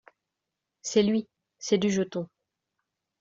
C’est lui ! c’est Dujeton…